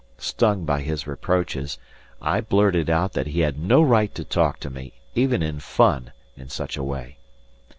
Stung by his reproaches, I blurted out that he had no right to talk to me, even in fun, in such a way.